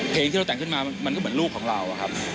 เพลงที่เราแต่งขึ้นมามันก็เหมือนลูกของเราอะครับ